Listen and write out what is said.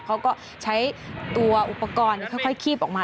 เขาก็ใช้ตัวอุปกรณ์ค่อยคีบออกมา